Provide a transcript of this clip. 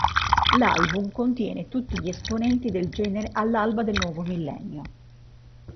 L'album contiene tutti gli esponenti del genere all'alba del nuovo millennio.